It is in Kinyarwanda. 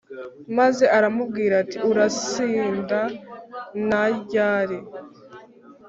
maze aramubwira ati urasinda na ryari